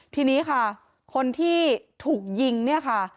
ทีนี้ค่ะคนที่ถูกยิงเนี่ยค่ะ